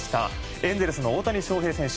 エンゼルスの大谷翔平選手